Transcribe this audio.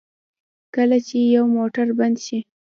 کله چې یو موټر بند شي.